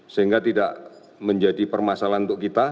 sehingga tidak menjadi permasalahan untuk kita